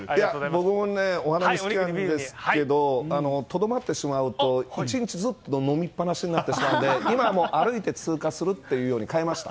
僕もお花見好きなんですけどとどまってしまうと１日、ずっと飲みっぱなしになってしまうので今は歩いて通過するというふうに変えました。